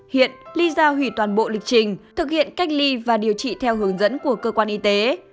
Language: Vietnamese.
hiện ly gia hủy toàn bộ lịch trình thực hiện cách ly và điều trị theo hướng dẫn của cơ quan y tế